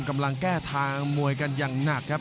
กำลังแก้ทางมวยกันอย่างหนักครับ